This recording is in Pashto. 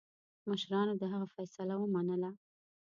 مشرانو د هغه فیصله ومنله.